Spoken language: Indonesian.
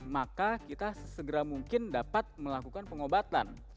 maka kita segera mungkin dapat melakukan pengobatan